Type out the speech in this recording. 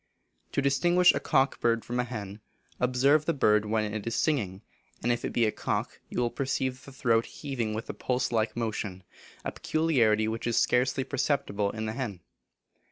To distinguish a cock bird from a hen, observe the bird when it is singing, and if it be a cock you will perceive the throat heaving with a pulse like motion, a peculiarity which is scarcely perceptible in the hen.